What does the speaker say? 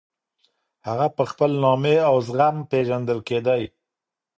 هغه په خپل نامې او زغم پېژندل کېدی.